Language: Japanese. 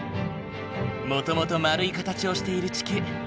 もともと丸い形をしている地球。